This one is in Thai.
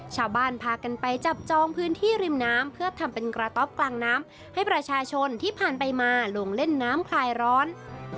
ชาวบ้านพากันไปจับจองพื้นที่ริมน้ำเพื่อทำเป็นกระต๊อบกลางน้ำให้ประชาชนที่ผ่านไปมาลงเล่นน้ำคลายร้อน